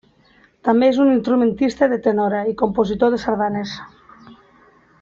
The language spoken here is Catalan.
També és un instrumentista de tenora i compositor de sardanes.